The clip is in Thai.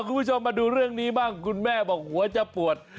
คุณผู้ชมมาดูเรื่องนี้บ้างคุณแม่บอกหัวจะปวด